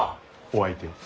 お相手を。